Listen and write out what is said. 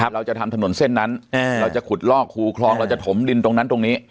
เราจะทำถนนเส้นนั้นเราจะขุดลอกคูคลองเราจะถมดินตรงนั้นตรงนี้